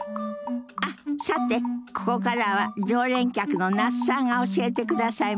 あっさてここからは常連客の那須さんが教えてくださいますよ。